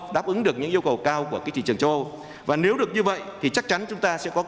đáp ứng được những yêu cầu cao của thị trường châu âu và nếu được như vậy thì chắc chắn chúng ta sẽ có